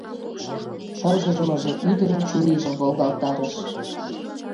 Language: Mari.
Шыргыжмыже ӱдырын чурийжым волгалтарыш: